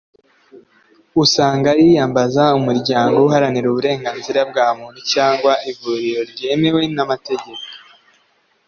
Usanga yiyambaza umuryango uharanira uburenganzira bwa muntu cyangwa ivuriro ryemewe n’amategeko